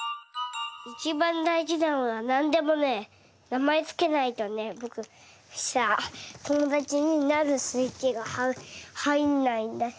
いちばんだいじなのはなんでもねなまえつけないとねぼくさともだちになるスイッチがはいんないんだよ。